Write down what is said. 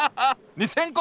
２，０００個！？